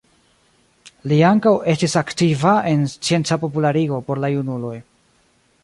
Li ankaŭ estis aktiva en scienca popularigo por la junuloj.